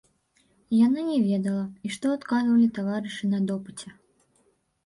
Яна не ведала, і што адказвалі таварышы на допыце.